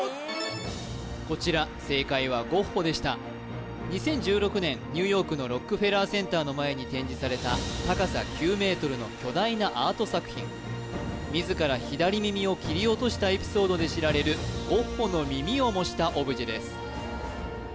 こちら正解はゴッホでした２０１６年ニューヨークのロックフェラーセンターの前に展示された高さ９メートルの巨大なアート作品自ら左耳を切り落としたエピソードで知られるゴッホの耳を模したオブジェです